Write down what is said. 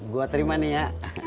gua terima nih ya